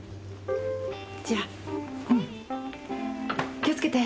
気を付けて。